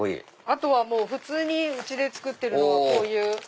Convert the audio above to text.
あとは普通にうちで作ってるのはこういう。